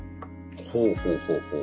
ほうほうほうほう。